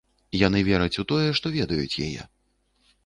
Яны вераць у тое, што ведаюць яе.